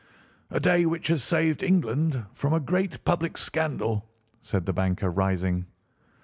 "A day which has saved England from a great public scandal," said the banker, rising.